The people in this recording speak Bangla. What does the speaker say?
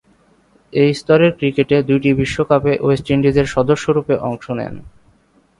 এ স্তরের ক্রিকেটে দুইটি বিশ্বকাপে ওয়েস্ট ইন্ডিজের সদস্যরূপে অংশ নেন।